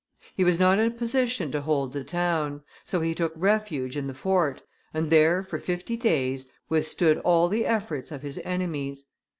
He was not in a position to hold the town; so he took refuge in the fort, and there, for fifty days, withstood all the efforts of his enemies.